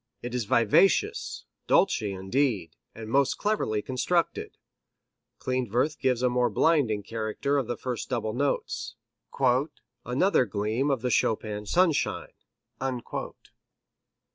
It is vivacious, dolce indeed, and most cleverly constructed. Klindworth gives a more binding character to the first double notes. Another gleam of the Chopin sunshine.